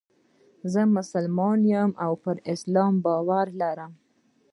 زه مسلمان یم او پر اسلام باور لرم.